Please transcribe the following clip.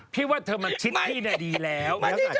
พี่ว่าเธอมันชิดชิน่ะดีแล้ว